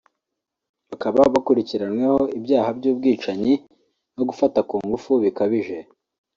bakaba bakurikiranweho ibyaha by’ubwicanyi no gufata ku ngufu bikabije